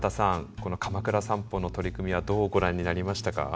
このかまくら散歩の取り組みはどうご覧になりましたか？